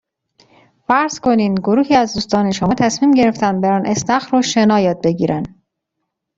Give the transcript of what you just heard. فرض کنین گروهی از دوستان شما تصمیم گرفتن برن استخر و شنا یاد بگیرن.